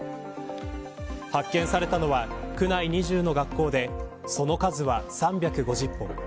発見されたのは区内２０の学校でその数は３５０本。